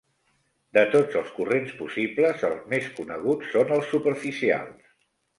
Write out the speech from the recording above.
De tots els corrents possibles els més coneguts són els superficials.